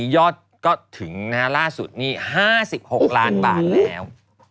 ยอดก็ถึงนะฮะล่าสุดนี่๕๖ล้านบาทแล้ว